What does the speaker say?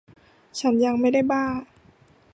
ฉันยังไม่ได้บ้า